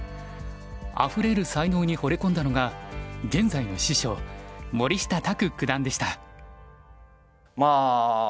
あふれる才能にほれ込んだのが現在の師匠森下卓九段でした。